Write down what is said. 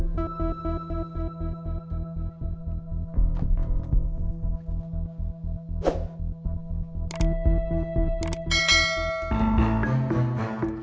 sampai jumpa di kemur gunung